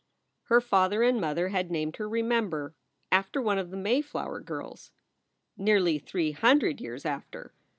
Her father and mother had named her Remember after one of the Mayflower girls nearly three hundred years after.